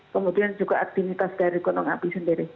kemudian juga aktivitas dari gunung api sendiri